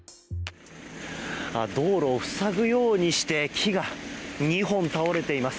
道路を塞ぐようにして木が２本倒れています。